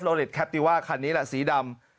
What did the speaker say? แคปติว่าคันนี้แหละสีดำ